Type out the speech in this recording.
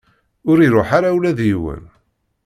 Ur iruḥ ara ula d yiwen.